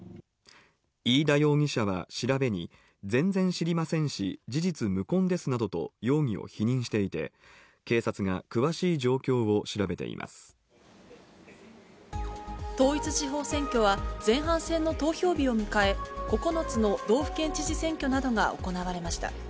飯田容疑者は調べに、全然知りませんし、事実無根ですなどと容疑を否認していて、警察が詳し統一地方選挙は、前半戦の投票日を迎え、９つの道府県知事選挙などが行われました。